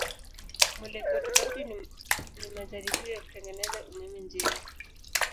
Mwelekeo tofauti ni majaribio ya kutengeneza umeme njiani.